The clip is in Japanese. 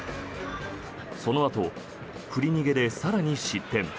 そのあと、振り逃げで更に失点。